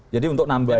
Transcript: jadi untuk nambah